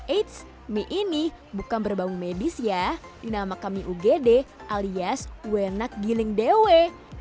eits mie ini bukan berbau medis ya dinamakan mie ugd alias uenak giling dewi